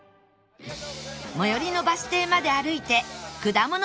最寄りのバス停まで歩いてくだもの